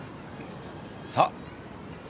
さあ